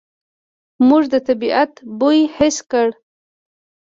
موږ د طبعیت بوی حس کړ.